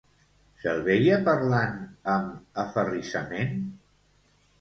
Se'l veia parlant amb aferrissament?